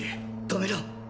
止めろ。